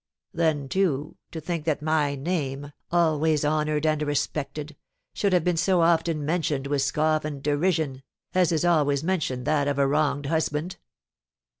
Then, too, to think that my name always honoured and respected should have been so often mentioned with scoff and derision, as is always mentioned that of a wronged husband!